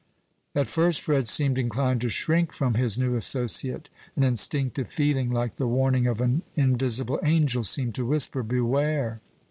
At first Fred seemed inclined to shrink from his new associate. An instinctive feeling, like the warning of an invisible angel, seemed to whisper, "Beware!"